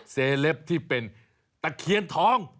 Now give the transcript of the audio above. เล็ปที่เป็นตะเคียนทอง